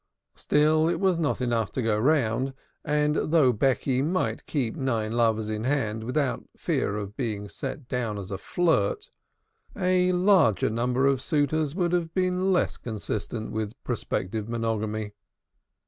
Still it was not enough to go round, and though Becky might keep nine lovers in hand without fear of being set down as a flirt, a larger number of tailors would have been less consistent with prospective monogamy.